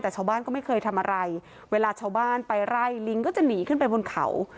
แต่ชาวบ้านก็ไม่เคยทำอะไรเวลาชาวบ้านไปไล่ลิงก็จะหนีขึ้นไปบนเขา